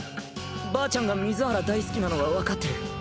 ばあちゃんが水原大好きなのは分かってる。